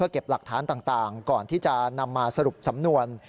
ก่อนที่จะนำมาสรุปสำนวน